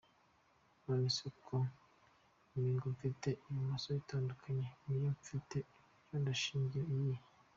none c ko imiringo mfite ibumoso itandukanye niy mfit iburyo ndashingira kuyihe?????.